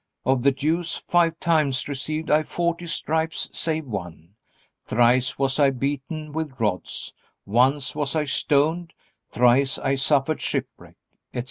Of the Jews five times received I forty stripes save one. Thrice was I beaten with rods, once was I stoned, thrice I suffered shipwreck," etc.